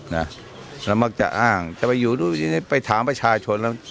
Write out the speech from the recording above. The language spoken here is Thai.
นะแล้วมักจะอ้างจะไปอยู่นู่นไปถามประชาชนแล้ว